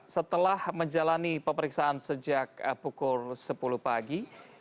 setelah menjalani pemeriksaan sejak pukul sepuluh pagi